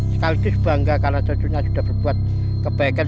sekaligus bangga karena cucunya sudah berbuat kebaikan